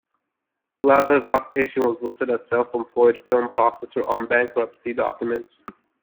Lazar's occupation was listed as self-employed film processor on bankruptcy documents.